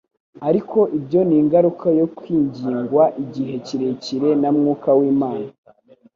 ariko ibyo ni ingaruka yo kwingingwa igihe kirekire na Mwuka w’Imana